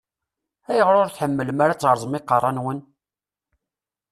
Ayɣer ur tḥemmlem ara ad teṛṛẓem iqeṛṛa-nwen?